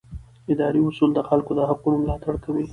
اداري اصول د خلکو د حقونو ملاتړ کوي.